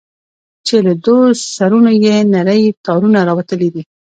چې له دوو سرونو يې نري تارونه راوتلي دي.